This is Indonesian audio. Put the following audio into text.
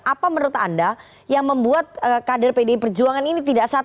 apa menurut anda yang membuat kader pdi perjuangan ini tidak satu